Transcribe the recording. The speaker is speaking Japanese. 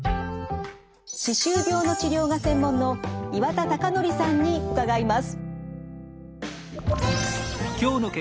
歯周病の治療が専門の岩田隆紀さんに伺います。